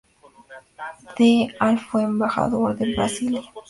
Del al fue embajador en Brasilia.